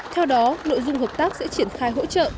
theo đó nội dung hợp tác sẽ triển khai hỗ trợ